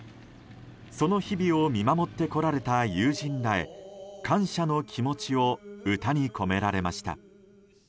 その日々を見守ってこられた友人らへ感謝の気持ちを歌に込められました。